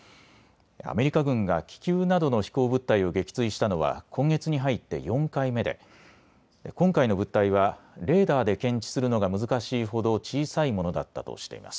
アメリカ軍が気球などの飛行物体を撃墜したのは今月に入って４回目で今回の物体はレーダーで検知するのが難しいほど小さいものだったとしています。